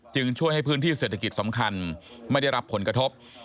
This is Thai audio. ช่วยให้พื้นที่เศรษฐกิจสำคัญไม่ได้รับผลกระทบ